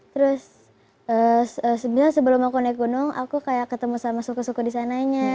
terus sebenarnya sebelum aku naik gunung aku kayak ketemu sama suku suku di sananya